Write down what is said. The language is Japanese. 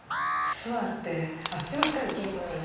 座ってあっちばっかり気ぃ取られて。